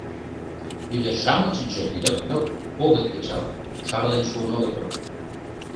Ӱдыр-шамычынже льып-льоп огыт кечалт, шарлен шуын огытыл.